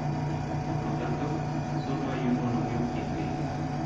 Por lo tanto, solo hay un monomio en "B".